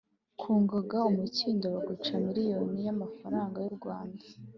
Kugonga umukindo baguca miriyoni ya amafaranga y’urwanda